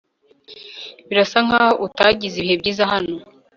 Birasa nkaho utagize ibihe byiza hano